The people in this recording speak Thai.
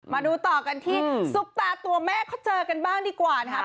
มาดูต่อกันที่ซุปตาตัวแม่เขาเจอกันบ้างดีกว่านะครับ